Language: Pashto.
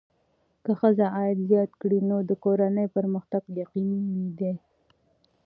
که ښځه عاید زیات کړي، نو د کورنۍ پرمختګ یقیني دی.